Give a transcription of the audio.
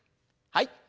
はい。